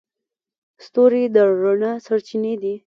ستوري د رڼا سرچینې دي.